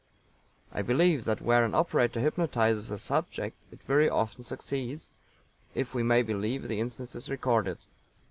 I believe that where an operator hypnotizes a subject it very often succeeds, if we may believe the instances recorded.